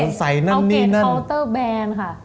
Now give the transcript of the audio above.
เอาเกจเคาน์เตอร์แบนค่ะ